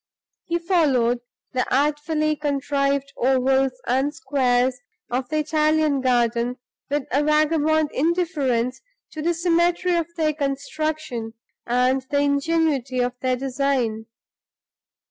He followed the artfully contrived ovals and squares of the Italian garden with a vagabond indifference to the symmetry of their construction and the ingenuity of their design.